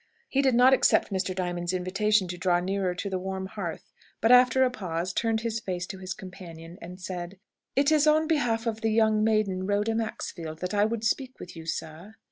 He did not accept Mr. Diamond's invitation to draw nearer to the warm hearth, but, after a pause, turned his face to his companion, and said, "It is on behalf of the young maiden, Rhoda Maxfield, that I would speak with you, sir."